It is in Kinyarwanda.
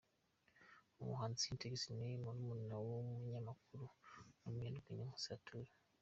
Umuhanzi Sintex ni murumuna w’umunyamakuru n’umunyarwenya Nkusi Arthur .